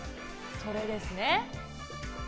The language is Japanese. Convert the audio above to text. それですね。